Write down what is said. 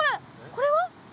これは？